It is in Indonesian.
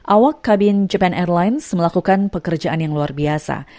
awak kabin japan airlines melakukan pekerjaan yang luar biasa